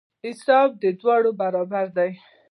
حساب د دواړو برابر.